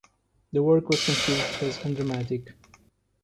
The work was conceived as undramatic.